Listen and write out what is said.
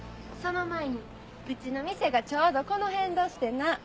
その前にうちの店がちょうどこの辺どしてな。